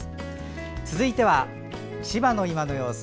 続いては、千葉の今の様子。